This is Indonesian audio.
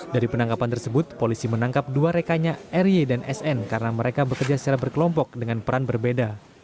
dari penangkapan tersebut polisi menangkap dua rekannya r y dan sn karena mereka bekerja secara berkelompok dengan peran berbeda